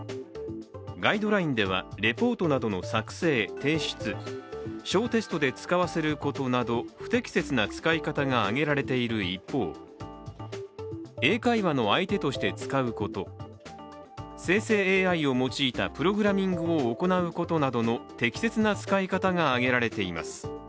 ガイドラインでは、レポートなどの作成・提出、小テストで使わせることなど不適切な使い方が挙げられている一方英会話の相手として使うこと生成ＡＩを用いたプログラミングを行うことなどの適切な使い方が挙げられています。